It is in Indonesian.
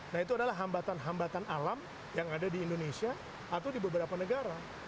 nah itu adalah hambatan hambatan alam yang ada di indonesia atau di beberapa negara